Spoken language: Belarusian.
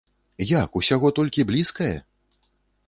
Як, усяго толькі блізкае?!